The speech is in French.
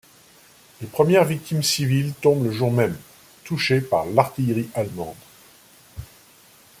Les premières victimes civiles tombent le jour même, touchées par l’artillerie allemande.